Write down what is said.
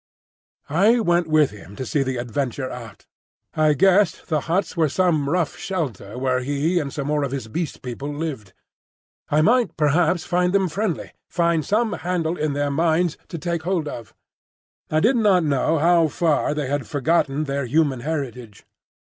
I went with him to see the adventure out. I guessed the huts were some rough shelter where he and some more of these Beast People lived. I might perhaps find them friendly, find some handle in their minds to take hold of. I did not know how far they had forgotten their human heritage.